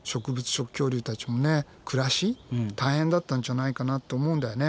食恐竜たちのね暮らし大変だったんじゃないかなと思うんだよね。